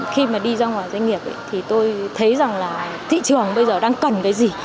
khi mà đi ra ngoài doanh nghiệp thì tôi thấy rằng là thị trường bây giờ đang cần cái gì